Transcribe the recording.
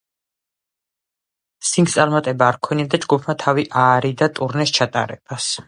სინგლს წარმატება არ ჰქონია და ჯგუფმა თავი აარიდა ტურნეს ჩატარებას.